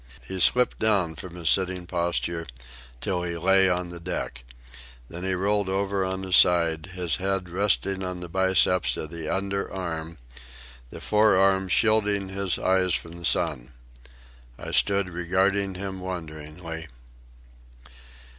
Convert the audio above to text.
He slipped down from his sitting posture till he lay on the deck. Then he rolled over on his side, his head resting on the biceps of the under arm, the forearm shielding his eyes from the sun. I stood regarding him wonderingly.